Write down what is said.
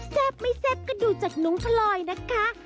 ไม่แซ่บก็ดูจากนุ้งพลอยนะคะ